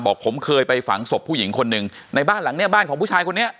บอกผมเคยไปฝังศพผู้หญิงคนหนึ่งในบ้านหลังเนี้ยบ้านของผู้ชายคนนี้